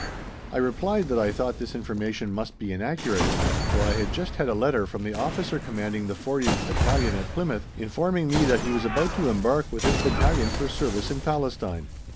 I replied that I thought this information must be inaccurate, for I had just had a letter from the officer commanding the 40th Battalion at Plymouth, informing me that he was about to embark with his battalion for service in Palestine.